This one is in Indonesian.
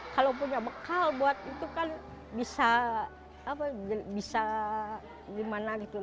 kalau punya bekal buat itu kan bisa gimana gitu